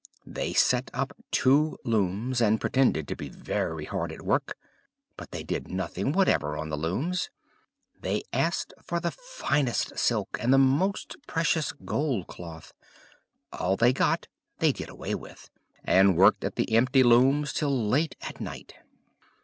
They set up two looms, and pretended to be very hard at work, but they did nothing whatever on the looms. They asked for the finest silk and the most precious gold cloth; all they got they did away with, and worked at the empty looms till late at night.